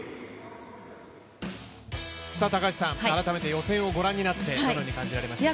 改めて、予選をご覧になって、どのようにお感じになりましたか？